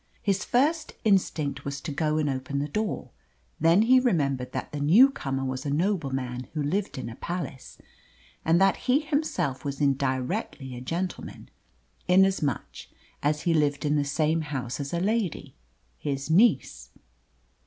His first instinct was to go and open the door; then he remembered that the new comer was a nobleman who lived in a palace, and that he himself was indirectly a gentleman, inasmuch as he lived in the same house as a lady his niece.